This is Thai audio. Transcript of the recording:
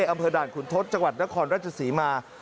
อำเภอด่านขุนทศจังหวัดนครราชศรีมา